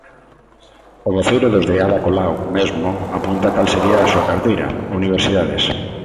O voceiro dos de Ada Colau mesmo apunta cal sería a súa carteira: Universidades.